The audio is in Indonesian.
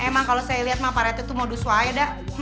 emang kalo saya liat mah parete tuh modus waya dah